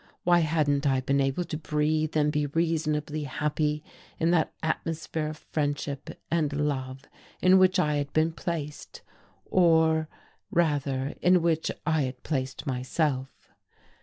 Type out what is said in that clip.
Why hadn't I been able to breathe and be reasonably happy in that atmosphere of friendship and love in which I had been placed or rather in which I had placed myself?...